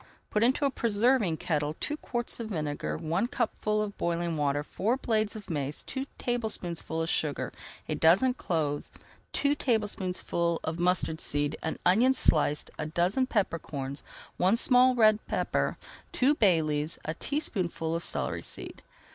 Put into a preserving kettle [Page 290] two quarts of vinegar, one cupful of boiling water, four blades of mace, two tablespoonfuls of sugar, a dozen cloves, two tablespoonfuls of mustard seed, an onion sliced, a dozen pepper corns, one small red pepper, two bay leaves, and a teaspoonful of celery seed.